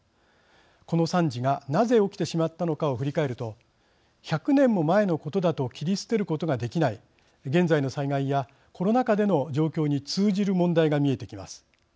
この惨事がなぜ起きてしまったのかを振り返ると１００年も前のことだと切り捨てることができない現在の災害やコロナ禍での状況に通じる問題が見えてきます。